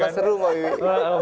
biar tetap seru mbak bewi